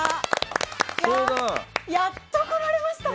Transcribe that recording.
やっとここに来られました！